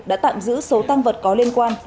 đã tạm giữ số tăng vật có liên quan